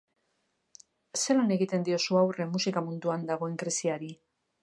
Zelan egiten diozu aurre musika munduan dagoen krisiari?